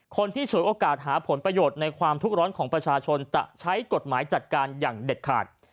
ฉวยโอกาสหาผลประโยชน์ในความทุกข์ร้อนของประชาชนจะใช้กฎหมายจัดการอย่างเด็ดขาด